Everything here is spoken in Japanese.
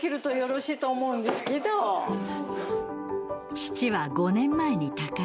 父は５年前に他界。